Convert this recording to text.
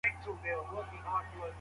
اسلام د مرييانو سيستم له منځه وړي.